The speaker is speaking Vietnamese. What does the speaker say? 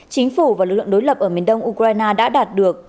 chính phủ và lực lượng đối lập ở miền đông ukraine đã đạt được